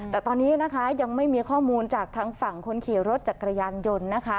แต่ตอนนี้นะคะยังไม่มีข้อมูลจากทางฝั่งคนขี่รถจักรยานยนต์นะคะ